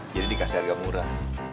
jadi dikasih harga murah